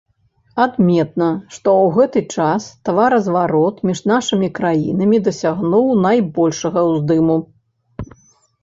Адметна, што ў гэты час таваразварот між нашымі краінамі дасягнуў найбольшага ўздыму.